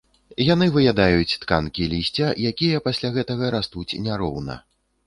Яны выядаюць тканкі лісця, якія пасля гэтага растуць няроўна.